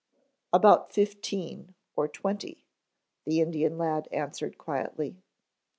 "About fifteen or twenty," the Indian lad answered quietly.